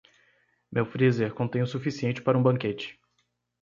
Meu freezer contém o suficiente para um banquete.